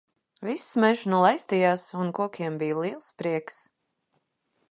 Viss mežs nu laistījās un kokiem bija liels prieks.